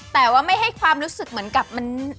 แต่ว่าไม่ให้ความรู้สึกเหมือนกับมัน